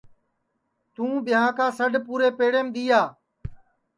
تو بیاں کا سڈؔ پُورے پیڑیم دؔیا